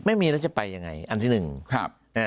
ไม่มีแล้วจะไปยังไงอันที่หนึ่งครับอ่า